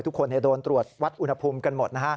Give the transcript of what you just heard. ทุกคนโดนตรวจวัดอุณหภูมิกันหมดนะฮะ